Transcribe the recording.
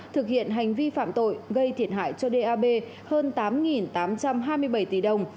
thực hiện hành vi phạm tội gây thiệt hại cho dap hơn tám tám trăm hai mươi bảy tỷ đồng